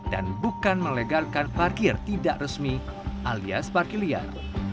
dan bukan melegalkan parkir tidak resmi alias parkir liar